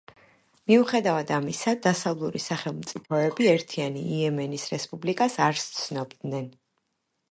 მიუხედავად ამისა, დასავლური სახელმწიფოები ერთიანი იემენის რესპუბლიკას არ სცნობდნენ.